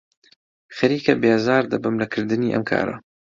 خەریکە بێزار دەبم لە کردنی ئەم کارە.